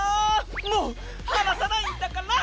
もう放さないんだから！